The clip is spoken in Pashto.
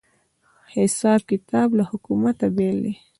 حساب کتاب له حکومته بېل وي